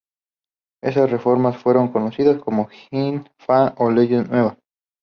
Esas reformas fueron conocidas como Xin Fa o "Leyes Nueva".